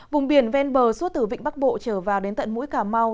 vùng biển ven bờ suốt từ vịnh bắc bộ trở vào đến tận mũi cà mau